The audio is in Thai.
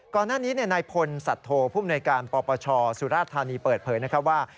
ก่อนหน้านี้นายพลสัตโธผู้มนวยการปปชสุราธานีเปิดเผยนะครับว่า